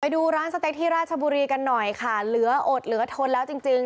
ดูร้านสเต็กที่ราชบุรีกันหน่อยค่ะเหลืออดเหลือทนแล้วจริงจริง